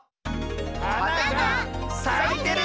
はながさいてる！